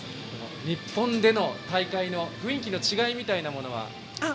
日本の大会での雰囲気の違いみたいなものは？